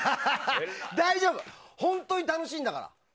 大丈夫、本当に楽しいんだから。